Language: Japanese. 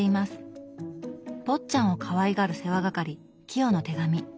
坊っちゃんをかわいがる世話係清の手紙。